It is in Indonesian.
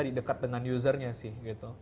didekat dengan usernya sih gitu